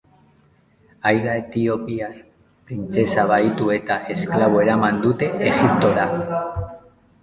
Aida etiopiar printzesa bahitu eta esklabo eraman dute Egiptora.